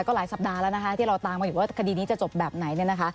ก็หลายสัปดาห์แล้วนะคะที่เราตามมาว่าคดีนี้จะจบแบบไหน